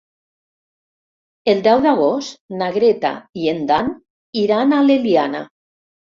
El deu d'agost na Greta i en Dan iran a l'Eliana.